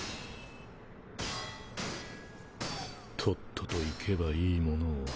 とっとと行けばいいものを。